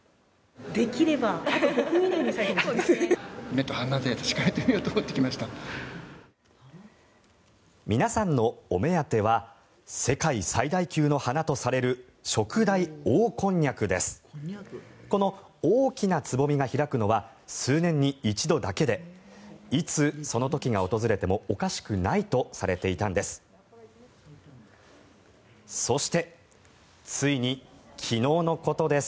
この大きなつぼみが開くのは数年に一度だけでいつその時が訪れてもおかしくないとされていたんです。